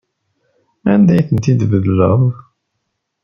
Anda ay tent-id-tbeddleḍ?